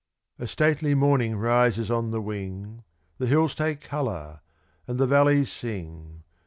A stately Morning rises on the wing, The hills take colour, and the valleys sing.